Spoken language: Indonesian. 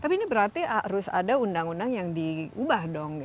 tapi ini berarti harus ada undang undang yang diubah dong